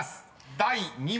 第２問］